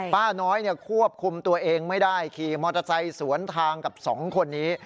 ป้าน้อยควบคุมตัวเองไม่ได้ขี่มอเตอร์ไซค์สวนทางกับสองคนนี้